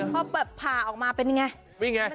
พอพาออกมาเป็นยังไง